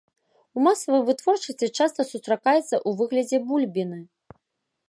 У масавай вытворчасці часта сустракаецца ў выглядзе бульбіны.